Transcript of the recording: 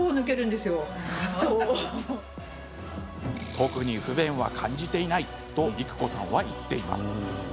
特に不便は感じていないと育子さんは言っています。